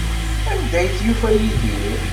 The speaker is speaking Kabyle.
Anda ay tufa Yidir?